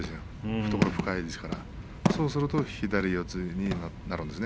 懐が深いのでそうすると左四つになるんですよね。